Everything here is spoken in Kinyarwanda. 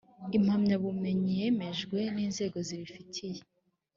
impamyabumenyi yemejwe n’inzego zibifitiye